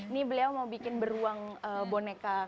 ini beliau mau bikin beruang boneka